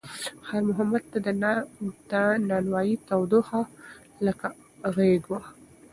خیر محمد ته د نانوایۍ تودوخه لکه غېږ وه.